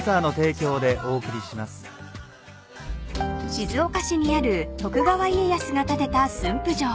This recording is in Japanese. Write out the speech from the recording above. ［静岡市にある徳川家康が建てた駿府城］